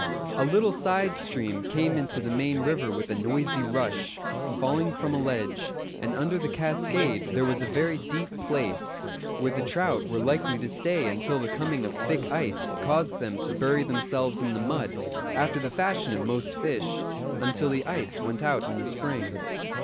A little side stream came into the main river with a noisy rush, falling from a ledge; and under the cascade there was a very deep place, where the trout were likely to stay until the coming of thick ice caused them to bury themselves in the mud, after the fashion of most fish, until the ice went out in the spring.